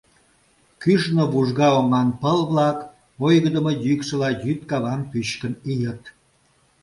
Кӱшнӧ вужга оҥан пыл-влак ойгыдымо йӱксыла йӱд кавам пӱчкын ийыт.